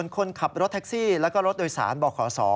คนขับรถแท็กซี่แล้วก็รถโดยสารบขศ